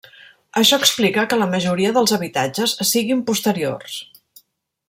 Això explica que la majoria dels habitatges siguin posteriors.